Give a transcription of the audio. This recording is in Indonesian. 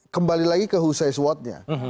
kembali lagi ke hussais wadnya